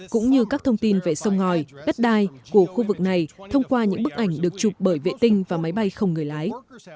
cũng như các thông tin về sông ngòi đất đai của khu vực này thông qua những bức ảnh được chụp bởi vệ tinh và máy bay không người lái